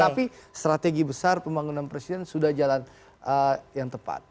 tapi strategi besar pembangunan presiden sudah jalan yang tepat